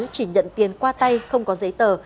chỉ nhận tiền qua tay không có giấy tờ